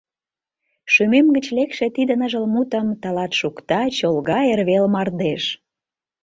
Шӱмем гыч лекше тиде ныжыл мутым Тылат шукта чолга эрвел мардеж.